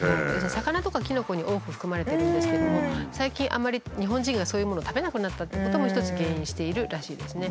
魚とかキノコに多く含まれてるんですけども最近あまり日本人がそういうものを食べなくなったっていうことも一つ原因しているらしいですね。